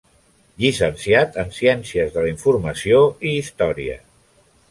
Llicenciat en Ciències de la Informació i Història.